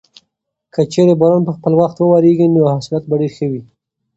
که چېرې باران په خپل وخت وورېږي نو حاصلات به ډېر ښه وي.